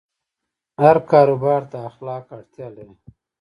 هر کاروبار ته اخلاق اړتیا لري.